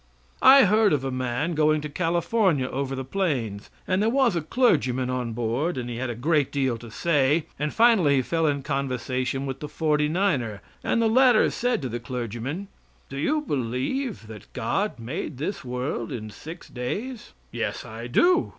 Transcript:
I heard of a man going to California over the plains, and, there was a clergyman on board, and he had a great deal to say, and finally he fell in conversation with the '49 er, and the latter said to the clergyman: "Do you believe that God made this world in six days?" "Yes, I do."